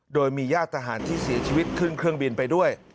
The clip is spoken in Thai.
โดยมีญาติทหารที่เสียชีวิตขึ้นเครื่องบินไปด้วย